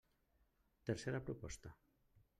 Tercera proposta.